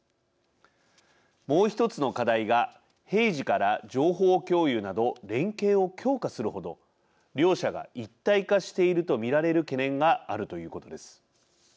もう１つの課題が平時から情報共有など連携を強化するほど両者が一体化していると見られる懸念があるということです。